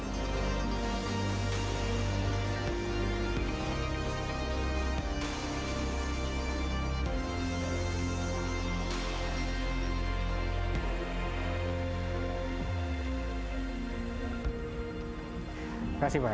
terima kasih pak